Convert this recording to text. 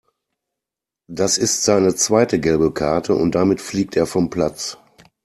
Das ist seine zweite gelbe Karte und damit fliegt er vom Platz.